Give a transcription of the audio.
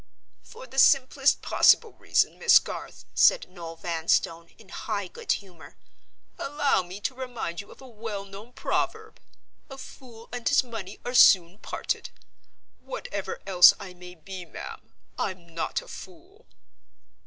"For the simplest possible reason, Miss Garth," said Noel Vanstone, in high good humor. "Allow me to remind you of a well known proverb: A fool and his money are soon parted. Whatever else I may be, ma'am, I'm not a fool."